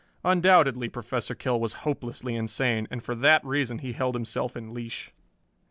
Undoubtedly Professor Kell was hopelessly insane, and for that reason he held himself in leash.